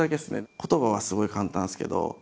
言葉はすごい簡単ですけど。